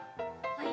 はい。